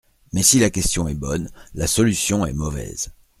Mais si la question est bonne, la solution est mauvaise.